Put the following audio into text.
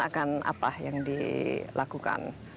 akan apa yang dilakukan